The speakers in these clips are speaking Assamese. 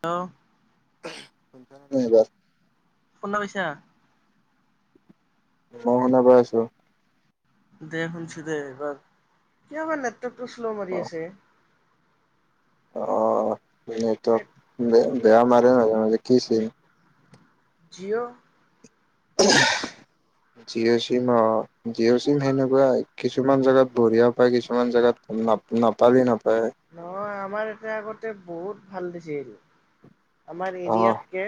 হেল্ল, নাই বাৰ। [unintelligible] শুনা পাইছা? মই শুনা পাই আছো। দে শুনছো দে। এইবাৰ কিয় বা নেটৰ্কটো শ্ল' মাৰি আছে। অহ, নেটৱৰ্ক বেয়া মাৰে। মাজে, মাজে কি চিম? জিঅ'। উম, [unintelligible] জিঅ' চিম অহ, জিঅ' চিম সেনেকুৱাই কিছুমান জেগাত বঢ়িয়াও পায়। কিছুমান জেগাত নাপালি নাপায় আৰু। নহয় আমাৰ এতে আগতে বহুত ভাল দিছে। আমাৰ অহ এৰিয়াতকে।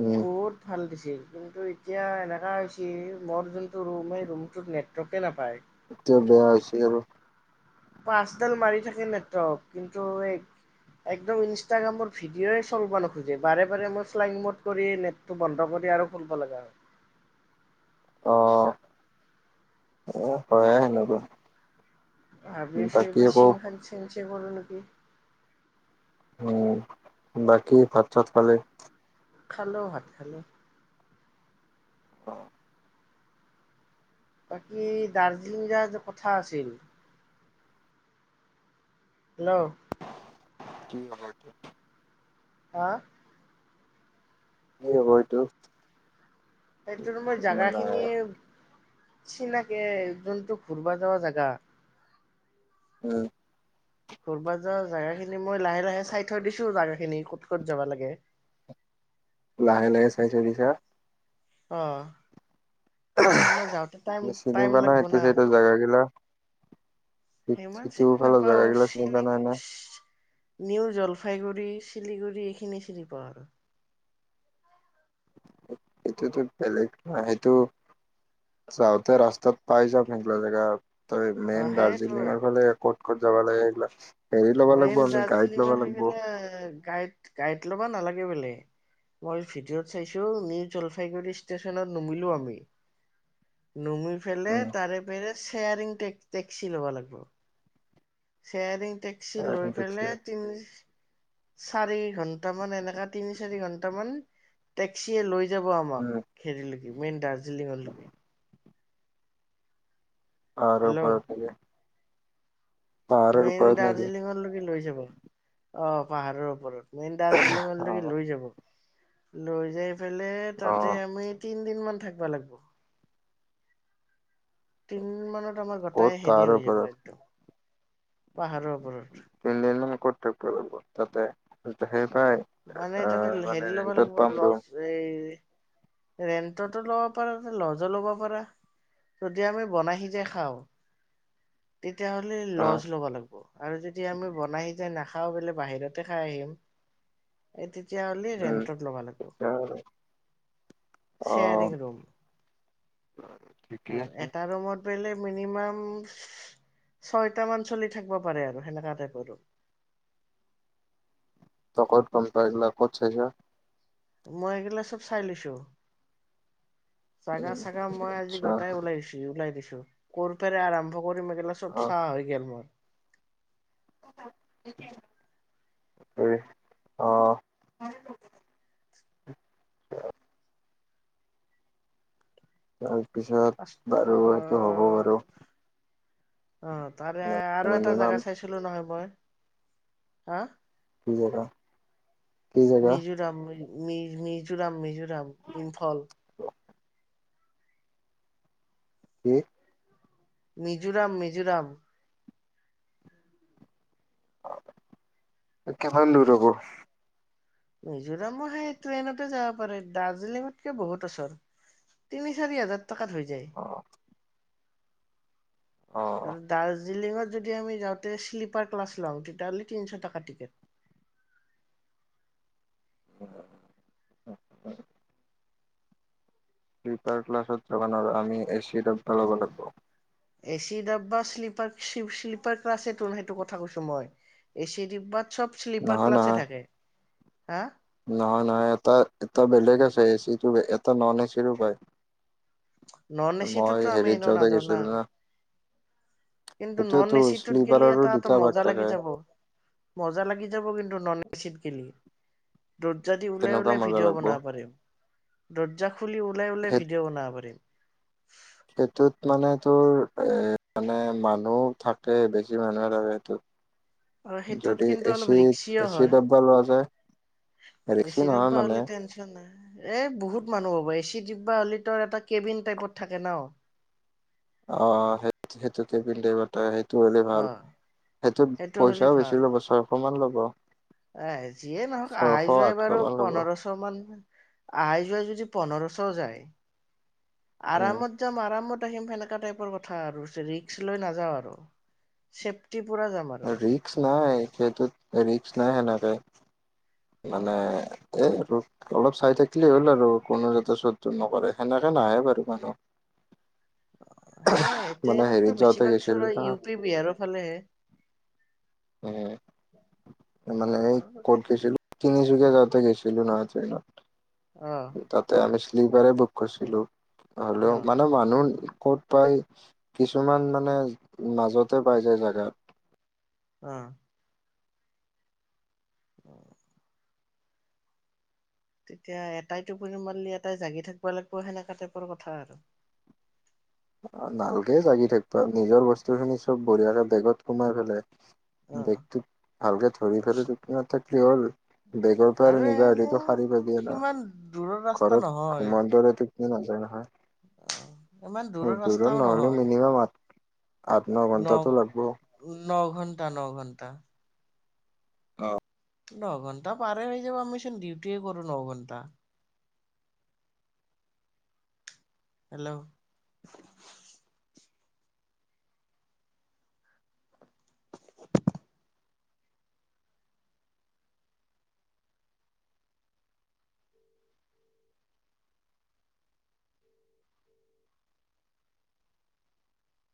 উম বহুত। ভাল দিছিল। কিন্তু এতিয়া এনেকুৱা হৈ হৈছে মোৰ যোনটো ৰুম সেই ৰুমটোত নেটৱৰ্কে নাপায়। এতিয়া বেয়া হৈছে আৰু। পাঁচডাল মাৰি থাকে নেটৱৰ্ক। কিন্তু এই একদম ইনষ্টাগ্ৰামৰ ভিডিঅ'ই চলিব নোখোজে। বাৰে-বাৰে মই ফ্লাইং মড কৰিয়ে নেট নেটটো বন্ধ কৰি আৰু খুলব লগা হয়। অহ, হয়ে সেনেকুৱা। ভাবিচো বাকী এইবাৰ আকৌ চিম খান চেন্স এ কৰো নেকি? উম, বাকী ভাত- চাত খালি? খালো ভাত খালো। অহ, বাকী দাৰ্জিলিং যোৱা যে কথা আছিল। হেল্লো, কি হব এতিয়া? হা, কি হব সেইটো। সেইটো মই জাগা খিনি চিনাকি যোনটো ঘূৰবা যোৱা জাগা। উম, ঘূৰ্বা যোৱা জেগাখিনি মই লাহে লাহে চাই থৈ দিছো। জেগাখিনি ক'ত-ক'ত যাব লাগে। লাহে লাহে চাই থৈ দিছা। অ', মানে আমাৰ যাওঁতে টাইম চিনি পোৱা টাইম লাগিব এইটো না। চাইডৰ জাগা গিলা। ইমান সিটো চিনি ফালৰ নাপাওঁ জেগাগিলা চিনি পোৱা নাই না [unintelligible] নিউ জলপাইগুৰি, চিলিগুৰি এইখিনি চিনি পাওঁ আৰু। এইটোতো বেলেগ হয় সেইটো যাওঁতে ৰাস্তাত পাই যাম সেইগিলা জেগা। ত' অ মেইন সেইটো দাৰ্জিলিংৰ ফালে ক'ত ক'ত যাবা লাগে এইগিলাক। মেইন দাৰ্জিলিঙত [unintelligible] গাইড গাইড ল'বা নালাগে বোলে। মই ভিডিঅ' ত চাইছো নিউ জলপাইগুৰি ষ্টেচনত নুমিলো আমি। নমি পেলে উম তাৰে পেৰে শ্বেয়াৰিং টেক-টেক্সি ল'ব লাগিব। শ্বেয়াৰিং টেক্সি ক্সি লৈ পেলে উম তিনি চাৰি ঘন্টামান এনেকা তিনি চাৰি ঘন্টামান টেক্সিয়ে লৈ যাব আমাক। হেৰী লৈকে মেইন দাৰ্জিলিঙৰ লৈকে। পাহাৰৰ হেল্ল' ওপৰত পিনে। মেইন ওপৰত নেকি দাৰ্জিলিঙৰ লৈকে লৈ যাব, অ' পাহাৰৰ ওপৰত। মেইন দাৰ্জিলিঙৰ অ লৈকে লৈ যাব, লৈ যায় পেলে অ তাতে আমি তিনদিন মান থাকবা লাগব। তিন মানত আমাৰ ক'ত গোটাই হেৰি পাহাৰৰ হৈ যাব ওপৰত একদম পাহাৰৰ ওপৰত। তিনদিনমান ক'ত থাকবা লাগব তাতে [unintelligible] মানে তাতে আহ মানে হেৰি ল'ব ৰেন্টত পাম লাগব' ৰুম লছ এই ৰেন্টততো ল'ব পাৰা ল'জ ল'ব পাৰা। যদি আমি বনাই সিজাই খাওঁ, তেতিয়াহ'লে অ ল'জ ল'বা লাগবো। আৰু যদি আমি বনাই সিজাই নাখাওঁ বোলে বাহিৰতে খাই আহিম। এই তেতিয়াহ'লি উম ৰেন্টত ল'বা লাগব'। অ শ্বেয়াৰিং ৰুম ঠিকে আৰু আছে এটা ৰুমত পেলে মিনিমাম ছয়টা মান চলি থাকবা পাৰে আৰু সেনেকা টাইপৰ আৰু। তই ক'ত গম পাইলা এইগিলা ক'ত চাইছা? মই এইগিলা চব চাই লৈছোঁ। জাগা চাগা মই আজি আচ্ছা গোটাই ওলাই দিছোঁ ওলাই দিছোঁ। ক'ৰ পৰা আৰম্ভ কৰিম এইগিলা চব অ চাৱা হৈ গে'ল মোৰ। অ'। [inaudible] তাৰপিছত ফাৰ্ষ্ট বাৰু সেইটো হ'ব বাৰু। অ', তাৰে আৰু এটা মিনিমাম জাগা চাইছিলোঁ নহয় মই, হা? কি জেগা? কি জেগা মিজোৰাম মি-মি-মিজোৰাম মিজোৰাম ইমফল। কি? মিজোৰাম মিজোৰাম। কিমান দূৰ হ'ব? মিজোৰামো সেই ট্ৰেইনতে যাবা পাৰে দাৰ্জিলিঙতকে বহুত ওচৰ। তিনি চাৰি হাজাৰ টকাত হৈ যায়। অ অ আৰু দাৰ্জিলিঙত যদি আমি যাওঁতে শ্লীপাৰ ক্লাছ লওঁ, তেতিয়াহ'লে তিনিশ টকা টিকেট। [inaudible] শ্লিপাৰ ক্লাছত যাবা নৰা আমি এ চি ডাব্বা ল'বা লাগব'। এ চি ডাব্বা শ্লিপাৰ চিপ-শ্লিপাৰ ক্লাছেটোন সেইটো কথা কৈছোঁ মই এচি ডিব্বাত। চব শ্লিপাৰ নহয় ক্লাছে নহয় থাকে। হা? নহয় নহয় এটা এটা বেলেগ আছে এচিটো এটা ন'ন এচিৰো পায়। নন এ মই চিটোতো আমি হেৰিত এনেও যাওঁতে নাযাওঁ গেছিলোঁ না। কিন্তু ন'ন সেইটোৱেতো এচিটোত গে'লি শ্লিপাৰৰো এটাত দুটা ভাগ মজা লাগি থাকে যাব। মজা লাগি যাব কিন্তু ন'ন এচিত গে'লি। দৰ্জা দি ওলাই কেনেকুৱা ওলাই মজা ভিডিঅ' লাগব বনাবা পাৰিম। দৰ্জা খুলি ওলাই ওলাই সেই ভিডিঅ' বনাবা পাৰিম। সেইটোত মানে তোৰ এ, মানে মানুহ থাকে বেছি মানুহে থাকে আৰু সেইটোত। সেইটোত যদি কিন্তু অলপ এচিত ৰিক্সিও এচি হয়। ডাব্বা লোৱা যায়। এ চি ৰেখছি নহয় ডিব্বা মানে। হ'লে টেনচন এ, বহুত মানুহ হ'ব এ চি ডিব্বা হ'লি তৰ এটা কেবিন টাইপত থাকে ন'। অ', সেত, সেইটো কেবিন টাইপত। ত' সেইটো হ'লি ভাল। অ সেইটোত সেইটো হ'লে পইচাও বেছি ল'ব ছয়শ মান ল'ব। আহে, যিয়ে নহওঁক ছয়শ আহাই যোৱাই আঠশ বাৰু মান ল'ব পন্ধৰশ' মান। আহাই যোৱা যদি পন্ধৰশ' যায় উম আৰামত। যাম আৰামত আহিম সেনেকা টাইপৰ কথা আৰু ৰিস্ক লৈ নাযাওঁ আৰু। চেপটি পোৰা যাম। আৰু ৰিস্ক নাই সেইটোত ৰিস্ক নাই সেনেকে। অ মানে। এ, ৰূপ অলপ চাই থাকলি হ'ল আৰু কোনো যাতে চুৰ তুৰ নকৰে। সেনেকে নাহে বাৰু মানুহ। এ, মানে ট্ৰেনততো হেৰিত যাওঁতে বেছিভাগ গৈছিলো চুৰ হৈ না ইউ পি বিহাৰৰ ফালেহে। উ মানে আমাৰো ক'ত গৈছিলোঁ। তিনচুকীয়া যাওঁতে গৈছিলোঁ নহ ত ন। অ। তাতে আমি শ্লিপাৰে বুক কৰিছিলো অ হলেও মানে মানুহ ক'ত? প্ৰায় কিছুমান মানে মাজতে পাই যায় জোগাত। অ। অ। তেতিয়া এটাই টোপুৰি মাৰিলি এটাই জাগি থাকিব লাগিব সেনেকাা টাইপৰ কথা আৰু, নালকে জাগি থাকিব আৰু নিজৰ বস্তু খিনি চব বঢ়িয়াকে বেগত সোমাই পেললে, অ বেগটোক ভালকে ধৰি ফেল কিনা থাকিলি হ'ল। বেগৰ পৰা আৰু নিবাহৰিো শাৰী পাবি ন সিমান দূৰৰ ৰাস্তা ঘৰত ঘোমোৱাৰ দৰে। কিমানায় নহয়। অ। দূৰত নহ'লে মিনিমাম আঠ আঠ ন ঘণ্টাতটো লাগিব। উ ন ঘন্টা ন ঘণ্টা। অ। নঘণ্টা পাৰে হৈ যাব আমি চ ডিউটে কৰো ন ঘণ্টা। Hello,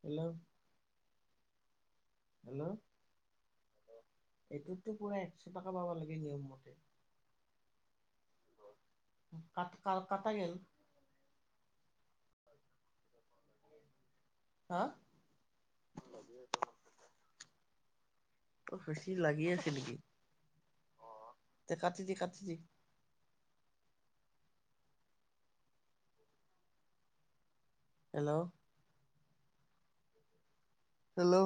hello. হেল্ল', এইটোতো পুৰা একশ টকা পাবা লাগে নিয়ম মতে। ক ক কটা গ'ল। হা। সেছি লাগি আছে নেকি কাটি দি কাটি দি। হেল্ল'? হেল্ল'?